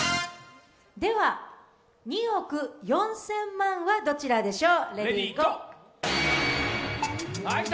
では２億４０００万はどちらでしょう？